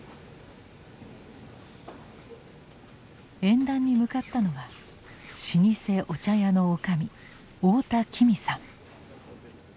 演壇に向かったのは老舗お茶屋の女将太田紀美さん。